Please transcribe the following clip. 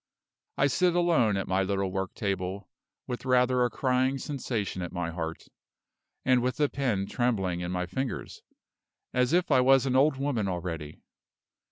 I sit alone at my little work table, with rather a crying sensation at my heart, and with the pen trembling in my fingers, as if I was an old woman already.